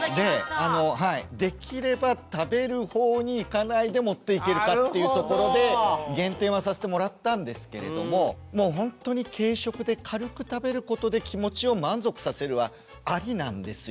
できれば食べるほうにいかないでもっていけるかっていうところで減点はさしてもらったんですけれどももうほんとに軽食で軽く食べることで気持ちを満足させるはありなんですよ。